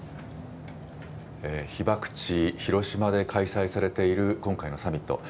被爆地、広島で開催されている今回のサミット。